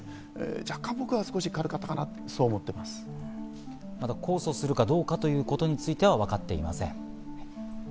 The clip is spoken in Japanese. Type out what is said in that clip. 若干、僕は軽かったなと、そう思ってい控訴するかどうかということについてはまだ分かっていません。